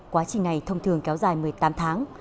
quá trình này thông thường kéo dài một mươi tám tháng